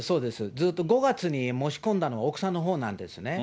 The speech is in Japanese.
ずっと、５月に申し込んだの、奥さんのほうなんですね。